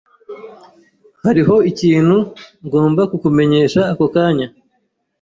Hariho ikintu ngomba kukumenyesha ako kanya.